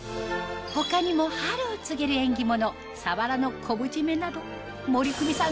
他にも春を告げる縁起物鰆の昆布〆など森クミさん